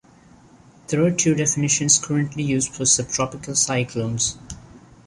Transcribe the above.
There are two definitions currently used for subtropical cyclones.